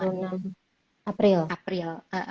tapi kemudian kbri kabarin ke kita dibundur ya